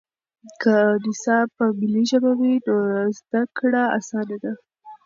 که نصاب په ملي ژبه وي نو زده کړه اسانه ده.